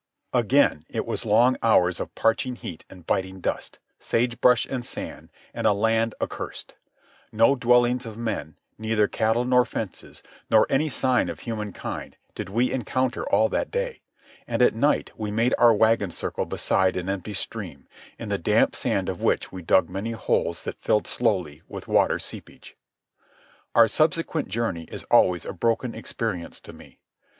Again it was long hours of parching heat and biting dust, sage brush and sand, and a land accursed. No dwellings of men, neither cattle nor fences, nor any sign of human kind, did we encounter all that day; and at night we made our wagon circle beside an empty stream, in the damp sand of which we dug many holes that filled slowly with water seepage. Our subsequent journey is always a broken experience to me.